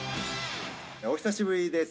お久しぶりです。